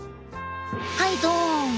はいどん。